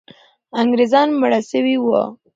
انګریزان مړه سوي وو.